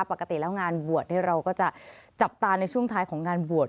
ปกติแล้วงานบวชเราก็จะจับตาในช่วงท้ายของงานบวช